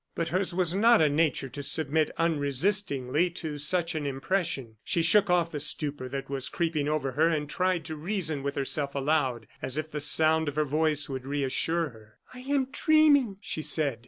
But hers was not a nature to submit unresistingly to such an impression. She shook off the stupor that was creeping over her, and tried to reason with herself aloud, as if the sound of her voice would reassure her. "I am dreaming!" she said.